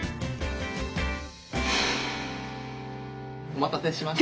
お待たせしました。